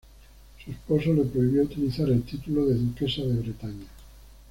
Su esposo le prohibió utilizar el título de duquesa de Bretaña.